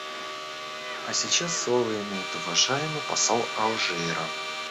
А сейчас слово имеет уважаемый посол Алжира.